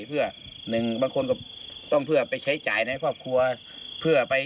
เป็นคนต้องไปใช้จ่ายในความคลับคลับ